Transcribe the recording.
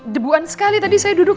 debuan sekali tadi saya duduk